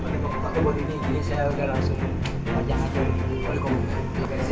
tapi kalau buat ini ini saya langsung ajak aja dulu